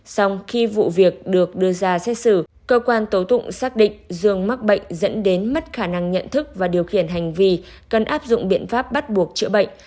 xong khi vụ việc được đưa ra xét xử cơ quan tố tụng xác định dương mắc bệnh dẫn đến mất khả năng nhận thức và điều khiển hành vi cần áp dụng biện pháp bắt buộc chữa bệnh